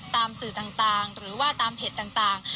ตามสื่อต่างหรือว่าตามเพจต่าง